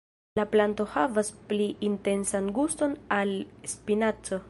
La planto havas pli intensan guston al spinaco.